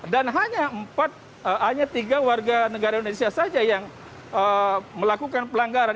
dan hanya tiga warga negara indonesia saja yang melakukan pelanggaran